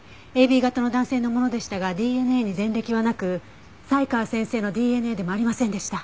ＡＢ型の男性のものでしたがＤＮＡに前歴はなく才川先生のＤＮＡでもありませんでした。